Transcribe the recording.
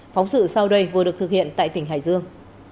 phóng sự sau đây vừa được thực hiện tại tỉnh hải dương